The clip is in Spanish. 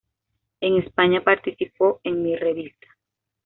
En España participó en "Mi Revista.